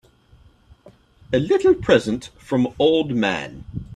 A little present from old man.